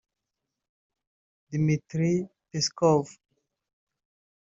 Dmitry Peskov